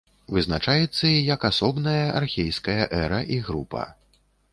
Вызначаецца і як асобная архейская эра і група.